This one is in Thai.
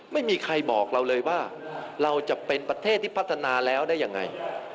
ไม่มีใครบอกเราเลยว่าเราจะเป็นประเทศที่พัฒนาแล้วได้ยังไง